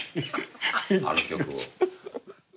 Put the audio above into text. あの曲を。